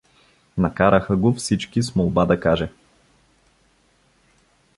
Накараха го всички с молба да каже.